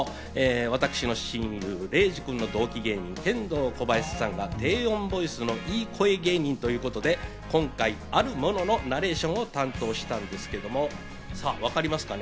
私の親友・礼二君の同期芸人、ケンドーコバヤシさんが低音ボイスのイイ声芸人ということで、今回、あるもののナレーションを担当したんですけども、わかりますかね？